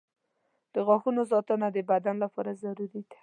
• د غاښونو ساتنه د بدن لپاره ضروري ده.